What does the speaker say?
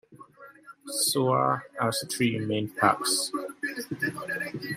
Sohar has three main parks.